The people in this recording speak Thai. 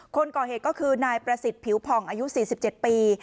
คนก่อเหตุก็คือนายประสิทธิ์ผิวผ่องอายุสี่สิบเจ็ดปี